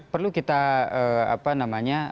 perlu kita apa namanya